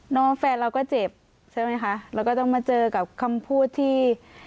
น้องแฟนเราก็เจ็บใช่ไหมคะเราก็ต้องมาเจอกับคำพูดที่